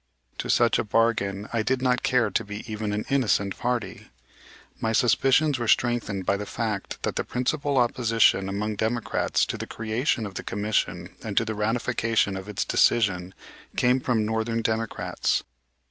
To such a bargain I did not care to be even an innocent party. My suspicions were strengthened by the fact that the principal opposition among Democrats to the creation of the commission and to the ratification of its decision came from northern Democrats.